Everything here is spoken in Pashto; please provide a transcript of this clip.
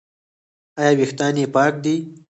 ایا ویښتان یې پاک دي؟